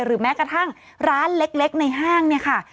แม้กระทั่งร้านเล็กในห้างเนี่ยค่ะ